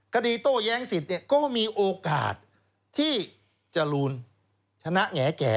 คดีโต้แย้งสิทธิ์เนี่ยก็มีโอกาสที่จรูลชนะแง่แก๋